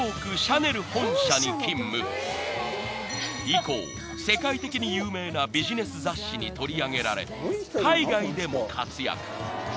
［以降世界的に有名なビジネス雑誌に取り上げられ海外でも活躍］